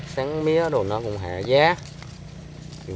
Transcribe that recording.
sáng mía đồ nó cũng không có bao nhiêu hết